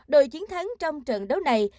đội chiến thắng trong trận đấu này